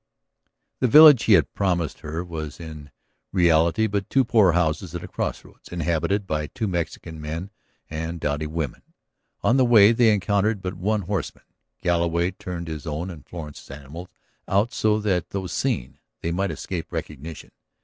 ... The village he had promised her was in reality but two poor houses at a crossroads, inhabited by two Mexican men and dowdy women. On the way they encountered but one horseman; Galloway turned his own and Florence's animals out so that, though seen, they might escape recognition.